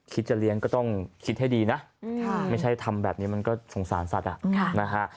จะเลี้ยงก็ต้องคิดให้ดีนะไม่ใช่ทำแบบนี้มันก็สงสารสัตว์นะฮะ